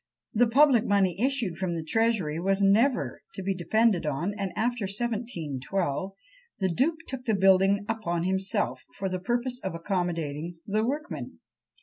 The public money issued from the Treasury was never to be depended on; and after 1712, the duke took the building upon himself, for the purpose of accommodating the workmen.